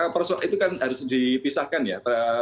persoalan itu kan harus dipisahkan ya